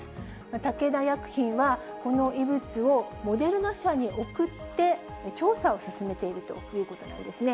武田薬品は、この異物をモデルナ社に送って、調査を進めているということなんですね。